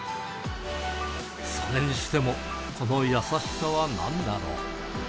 それにしてもこの優しさはなんだろう。